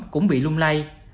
cũng bị lung lay